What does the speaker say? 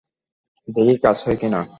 দেখি কাজ হয় কিনা।